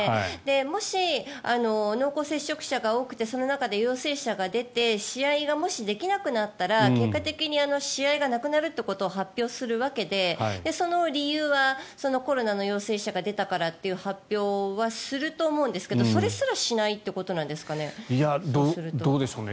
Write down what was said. もし、濃厚接触者が多くてその中で陽性者が出て試合がもしできなくなったら結果的に試合がなくなるということを発表するわけでその理由はコロナの陽性者が出たからという発表はすると思うんですけどそれすらしないってことなんですかね？